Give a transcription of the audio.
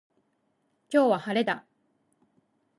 今日は、晴れだ。